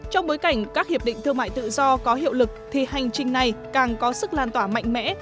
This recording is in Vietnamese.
trong bối cảnh các hiệp định thương mại tự do có hiệu lực thì hành trình này càng có sức lan tỏa mạnh mẽ